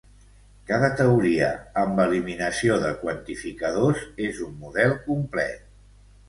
Cada teoria amb eliminació de quantificadors és un model complet.